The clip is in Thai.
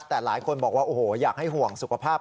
แต่หลายคนบอกว่าโอ้โหอยากให้ห่วงสุขภาพ